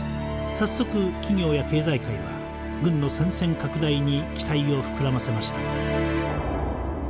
早速企業や経済界は軍の戦線拡大に期待を膨らませました。